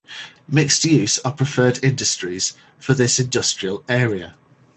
Mixed Use are preferred industries for this industrial area.